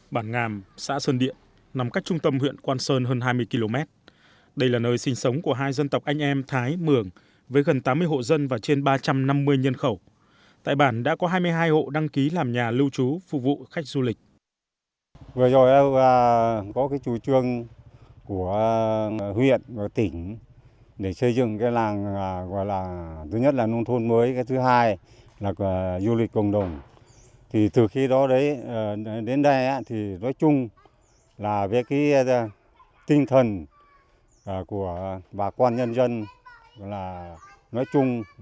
bản ngàm xã sơn điện nằm cách trung tâm huyện quang sơn hơn hai mươi km đây là nơi sinh sống của hai dân tộc anh em thái mường với gần tám mươi hộ dân và trên ba trăm năm mươi nhân khẩu tại bản đã có hai mươi hai hộ đăng ký làm nhà lưu trú phục vụ khách du lịch